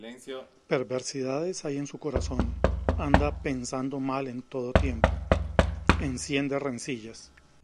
Perversidades hay en su corazón, anda pensando mal en todo tiempo; Enciende rencillas.